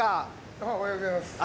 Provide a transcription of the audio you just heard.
ああおはようございます。